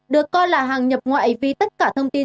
được coi là hàng nhập ngoại vì tất cả thông tin